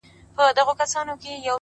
o څه لېونۍ شاني گناه مي په سجده کي وکړه،